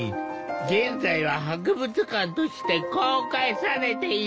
現在は博物館として公開されている。